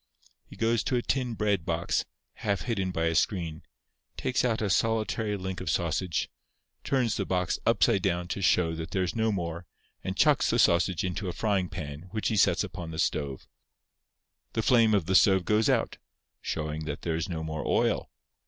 He goes to a tin bread box, half hidden by a screen, takes out a solitary link of sausage, turns the box upside down to show that there is no more, and chucks the sausage into a frying pan, which he sets upon the stove. The flame of the stove goes out, showing that there is no more oil.